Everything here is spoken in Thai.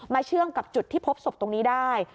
เชื่อมกับจุดที่พบศพตรงนี้ได้